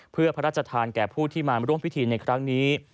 เพื่อพระราชทานแก่ผู้ที่มาร่วมพิธีในครั้งนี้